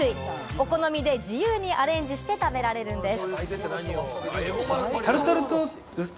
お好みで自由にアレンジして食べられるんです。